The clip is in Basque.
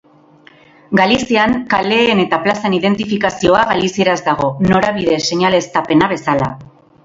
Galizian kaleen eta plazen identifikazioa galizieraz dago, norabide-seinaleztapena bezala.